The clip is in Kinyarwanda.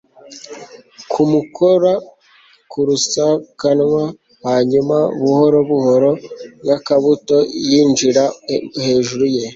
kumukora ku rusakanwa, hanyuma buhoro buhoro, nk'akabuto, yinjira hejuru ye